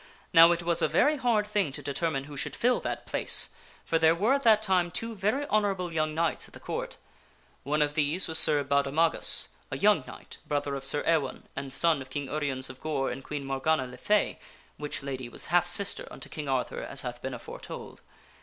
Now it was a very hard thing to determine who should fill that place, for there were at that time two very honorable young knights at the Court. One of these was Sir Baudemagus, a young knight, brother of Sir Ewaine and son of King Uriens of Gore and Queen Morgana They choose le Fay (which lady was half sister unto King Arthur as hath three young been aforetold).